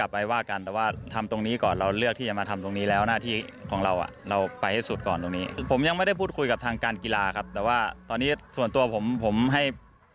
ผมยังไม่ได้พูดคุยกับทางการกีฬาครับแต่ว่าตอนนี้ส่วนตัวผมผมให้